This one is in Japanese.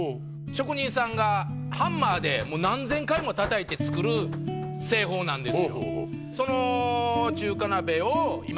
職人さんがハンマーでもう何千回も叩いて作る製法なんですよ。